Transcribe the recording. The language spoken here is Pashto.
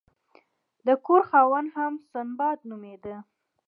د کور خاوند هم سنباد نومیده.